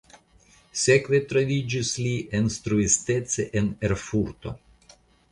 Sekve troviĝis li instruistece en Erfurto.